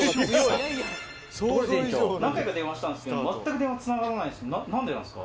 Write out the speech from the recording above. ところで何回か電話したんですけど、全く電話、つながらないんです。